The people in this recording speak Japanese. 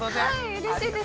うれしいです。